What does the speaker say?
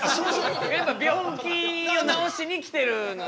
病気を治しに来てるので。